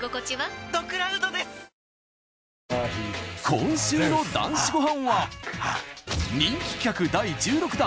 今週の『男子ごはん』は人気企画第１６弾。